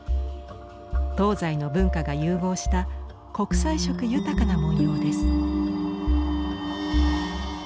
東西の文化が融合した国際色豊かな文様です。